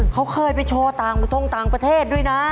เขาเคยไปโชว์ต่างประทงต่างประเทศด้วยนะ